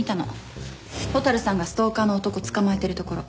蛍さんがストーカーの男捕まえてるところ。